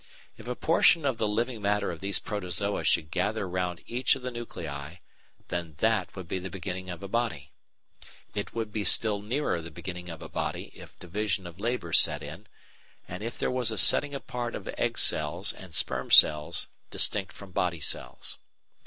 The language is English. If a portion of the living matter of these Protozoa should gather round each of the nuclei, then that would be the beginning of a body. It would be still nearer the beginning of a body if division of labour set in, and if there was a setting apart of egg cells and sperm cells distinct from body cells.